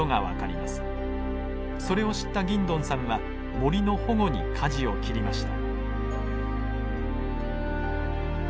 それを知ったギンドンさんは森の保護にかじを切りました。